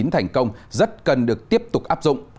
thành công rất cần được tiếp tục áp dụng